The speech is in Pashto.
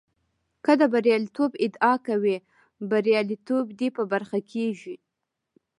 که د برياليتوب ادعا کوې برياليتوب دې په برخه کېږي.